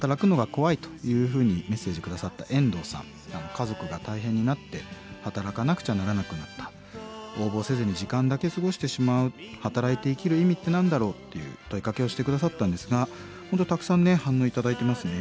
家族が大変になって働かなくちゃならなくなった応募せずに時間だけ過ごしてしまう働いて生きる意味って何だろうっていう問いかけをして下さったんですが本当にたくさんね反応頂いてますね。